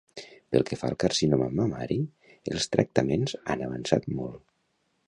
Pel que fa al carcinoma mamari, els tractaments han avançat molt.